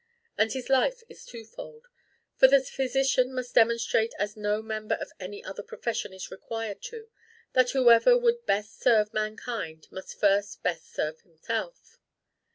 And this life is twofold: for the physician must demonstrate as no member of any other profession is required to do that whoever would best serve mankind must first best serve himself.